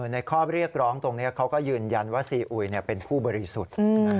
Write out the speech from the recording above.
ในข้อเรียกร้องตรงนี้เขาก็ยืนยันว่าซีอุยเป็นผู้บริสุทธิ์